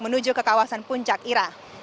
di kawasan puncak ira